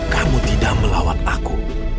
kamu tidak melawat aku